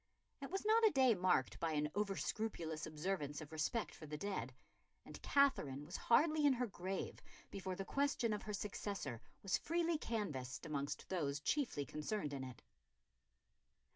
It was not a day marked by an over scrupulous observance of respect for the dead, and Katherine was hardly in her grave before the question of her successor was freely canvassed amongst those chiefly concerned in it.